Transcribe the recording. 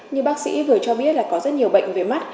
như bác sĩ vừa cho biết là có rất nhiều bệnh về mắt